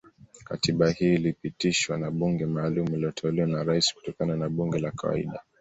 Katiba hii ilipitishwa na bunge maalumu lililoteuliwa na Rais kutokana na bunge la kawaida